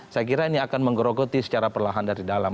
saya kira ini akan menggerogoti secara perlahan dari dalam